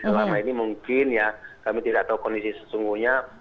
selama ini mungkin ya kami tidak tahu kondisi sesungguhnya